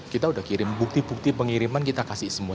kita sudah kirim bukti bukti pengiriman kita kasih semua